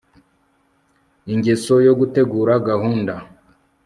ingeso yo gutegura gahunda